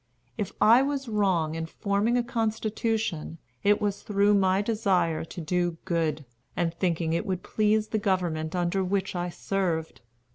If I was wrong in forming a constitution, it was through my great desire to do good, and thinking it would please the government under which I served.